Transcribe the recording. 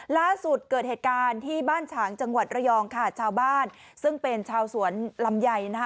ล่าสุดเกิดเหตุการณ์ที่บ้านฉางจังหวัดระยองค่ะชาวบ้านซึ่งเป็นชาวสวนลำไยนะคะ